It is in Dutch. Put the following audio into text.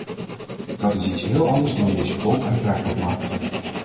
Dat is iets heel anders dan deze koop- en verkoopmarkt.